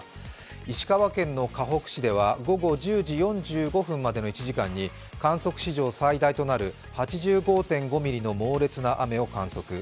石川県のかほく市では午後１０時４５分までの１時間に観測史上最大となる８５．５ミリの猛烈な雨を観測。